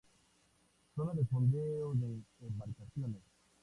Zona de fondeo de embarcaciones.